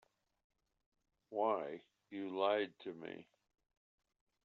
Why, you lied to me.